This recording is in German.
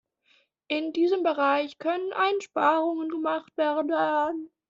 In diesem Bereich können Einsparungen gemacht werden.